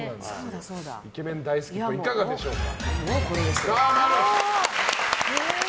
イケメン大好きっぽいいかがでしょうか？